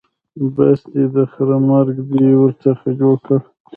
بس دی؛ د خره مرګ دې ورڅخه جوړ کړ.